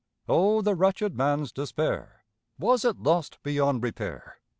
Oh, the wretched man's despair! Was it lost beyond repair?